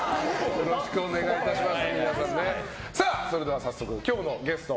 よろしくお願いします。